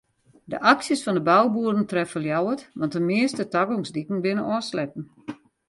De aksjes fan de bouboeren treffe Ljouwert want de measte tagongsdiken binne ôfsletten.